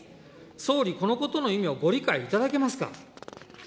総理、このことの意味をご理解いただけますか。